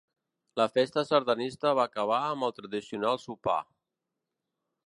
La festa sardanista va acabar amb el tradicional sopar.